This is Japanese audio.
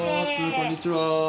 こんにちは。